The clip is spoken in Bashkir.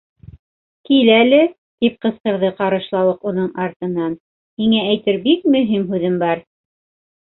—Кил әле! —тип ҡысҡырҙы Ҡарышлауыҡ уның артынан. — һиңә әйтер бик мөһим һүҙем бар.